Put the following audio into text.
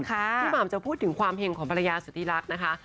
หม่ำจะพูดถึงความเห็งของภรรยาสุธิรักษ์นะคะ